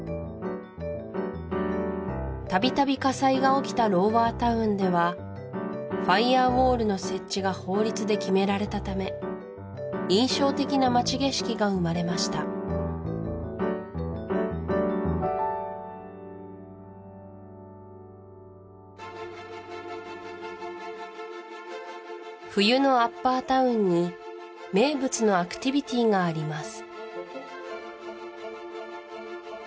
たびたび火災が起きたロウワータウンではファイヤーウォールの設置が法律で決められたため印象的な街景色が生まれました冬のアッパータウンに名物のアクティビティーがあります